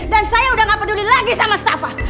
dan saya udah gak peduli lagi sama safa